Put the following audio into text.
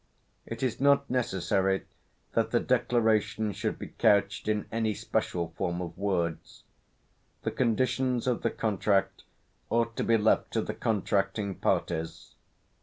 It is not necessary that the declaration should be couched in any special form of words; the conditions of the contract ought to be left to the contracting parties.